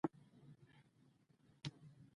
ميرويس نيکه جنګي کلا ته ورغی.